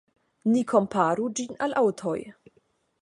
Ni komparu ĝin al aŭtoj.